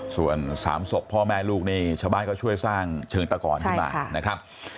ส่วน๓ศพพ่อแม่ลูกนี่ชาวบ้านก็ช่วยสร้างเชิงตะกอนขึ้นมานะครับ